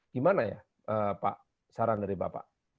gimana ya pak saran dari bapak